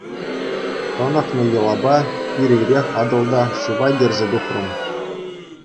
Хӑнӑхнӑ йӑлапа ир-ирех Атӑлта шыва кӗрсе тухрӑм.